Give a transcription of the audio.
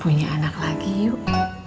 punya anak lagi yuk